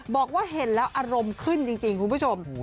บอกว่าเห็นแล้วอารมณ์ขึ้นจริงคุณผู้ชม